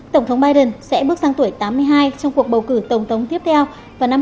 tổng thống biden sẽ bước sang tuổi tám mươi hai trong cuộc bầu cử tổng thống tiếp theo vào năm hai nghìn hai mươi